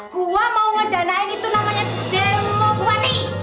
gua mau ngedanain itu namanya demo gua nih